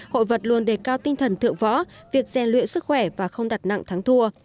hội vật luôn đề cao tinh thần thượng võ việc gian luyện sức khỏe và không đặt nặng thắng thua